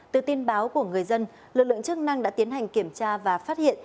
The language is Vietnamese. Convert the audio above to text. từ tin báo của người dân lực lượng chức năng đã tiến hành kiểm tra và phát hiện